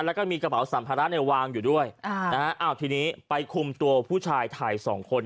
แล้วก็มีกระเป๋าสัมภาระเนี่ยวางอยู่ด้วยอ่านะฮะอ้าวทีนี้ไปคุมตัวผู้ชายถ่ายสองคน